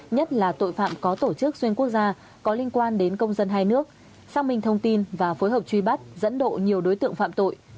nhất là tội phạm có tổ chức xuyên quốc gia có liên quan đến công dân hai nước xác minh thông tin và phối hợp truy bắt dẫn độ nhiều đối tượng phạm tội